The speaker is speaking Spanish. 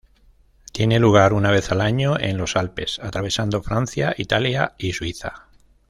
Tiene lugar una vez al año en los Alpes, atravesando Francia, Italia y Suiza.